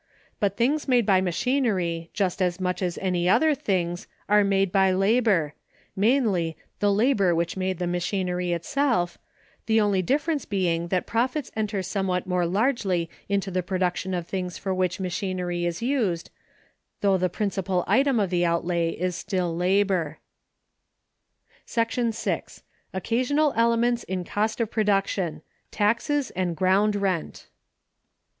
But things made by machinery, just as much as any other things, are made by labor—namely, the labor which made the machinery itself—the only difference being that profits enter somewhat more largely into the production of things for which machinery is used, though the principal item of the outlay is still labor. § 6. Occasional Elements in Cost of Production; taxes and ground rent.